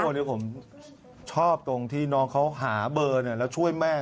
วันนี้ผมชอบตรงที่น้องเขาหาเบอร์แล้วช่วยแม่